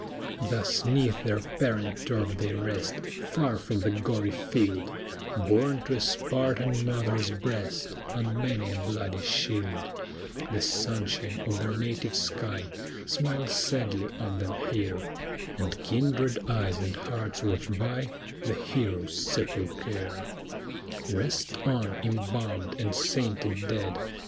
Thus 'neath their parent turf they rest, Far from the gory field Borne to a Spartan mother's breast On many a bloody shield; The sunshine of their native sky Smiles sadly on them here, And kindred eyes and hearts watch by The heroes' sepulchre. Rest on, embalmed and sainted dead!